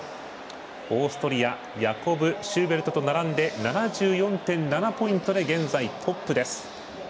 オーストリアヤコブ・シューベルトと並んで７４．７ポイントで現在トップです。